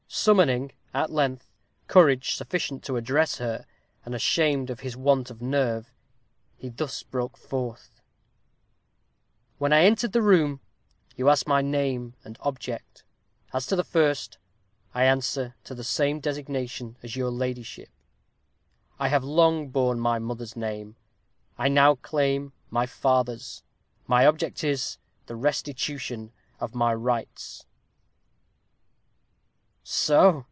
Summoning, at length, courage sufficient to address her, and ashamed of his want of nerve, he thus broke forth: "When I entered this room, you asked my name and object. As to the first, I answer to the same designation as your ladyship. I have long borne my mother's name. I now claim my father's. My object is, the restitution of my rights."